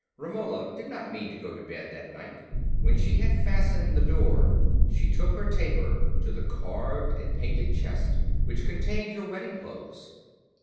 Romola did not mean to go to bed that night. When she had fastened the door she took her taper to the carved and painted chest which contained her wedding clothes.